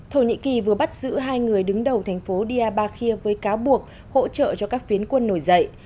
thổ nhĩ kỳ vừa bắt giữ hai người đứng đầu thành phố dia bakia với cáo buộc hỗ trợ cho các phiến quân nổi dậy